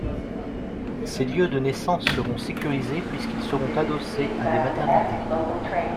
Ces lieux de naissance seront sécurisés puisqu’ils seront adossés à des maternités.